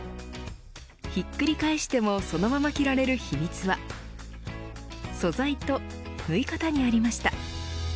ひっくり返してもそのまま着られる秘密は素材と縫い方にありました。